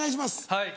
はい。